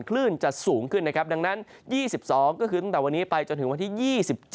คลื่นจะสูงขึ้นนะครับดังนั้น๒๒ก็คือตั้งแต่วันนี้ไปจนถึงวันที่๒๗